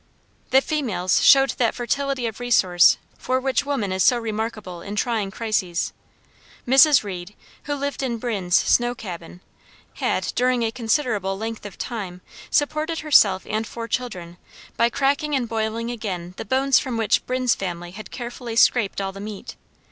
The females showed that fertility of resource for which woman is so remarkable in trying crises. Mrs. Reed, who lived in Brinn's snow cabin, had, during a considerable length of time, supported herself and four children by cracking and boiling again the bones from which Brinn's family had carefully scraped all the meat.